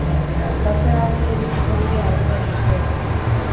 Gaurko erabakira iristeko bidea, ordea, luzea izan da.